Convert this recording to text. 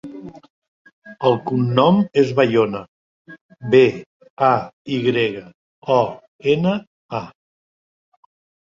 El cognom és Bayona: be, a, i grega, o, ena, a.